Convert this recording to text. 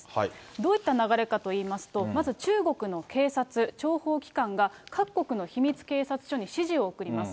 どういった流れかといいますと、まず中国の警察、諜報機関が各国の秘密警察署に指示を送ります。